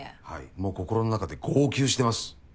もう心の中で号泣してます。